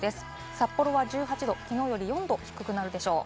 札幌は１８度、きのうより４℃低くなるでしょう。